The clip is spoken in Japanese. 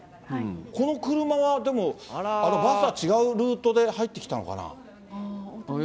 この車は、でも、バスは違うルートで入ってきたのかな？